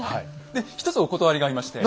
で一つお断りがありまして。